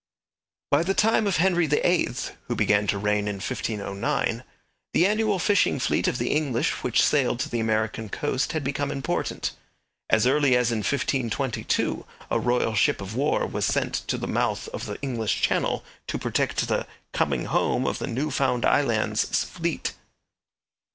By the time of Henry VIII, who began to reign in 1509, the annual fishing fleet of the English which sailed to the American coast had become important. As early as in 1522, a royal ship of war was sent to the mouth of the English Channel to protect the 'coming home of the New Found Island's fleet.'